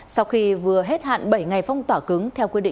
sau khi vừa hết hạn bảy ngày phong tỏa cứng